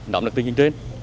động lực tình trạng trên